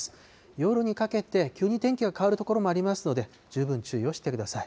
夜にかけて急に天気が変わる所もありますので、十分注意をしてください。